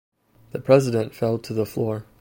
The President fell to the floor.